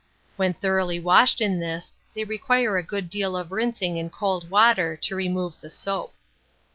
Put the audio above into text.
When thoroughly washed in this, they require a good deal of rinsing in cold water, to remove the soap.